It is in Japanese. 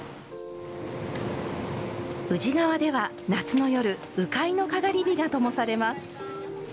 宇治川では、夏の夜鵜飼いのかがり火がともされます。